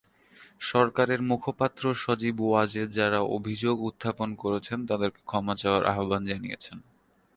সরকারের মুখপাত্র সজীব ওয়াজেদ যারা অভিযোগ উত্থাপন করেছেন তাদেরকে ক্ষমা চাওয়ার আহ্বান জানিয়েছেন।